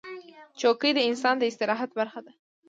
چوکۍ د انسان د استراحت برخه ده.